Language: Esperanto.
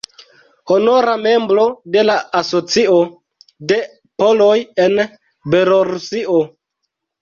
Honora membro de la Asocio de poloj en Belorusio.